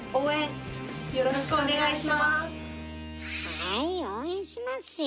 はい応援しますよ。